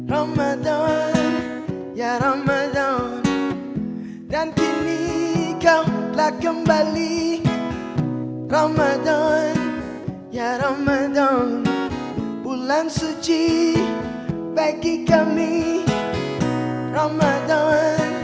ramadan ya ramadan dan kini kau telah kembali ramadan ya ramadan bulan suci bagi kami ramadan